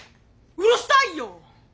うるさいよ！